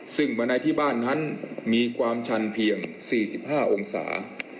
ซึ่งบันไดที่บ้านนั้นมีความชันเพียง๔๕องศา